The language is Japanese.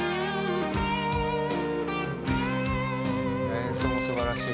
演奏もすばらしい。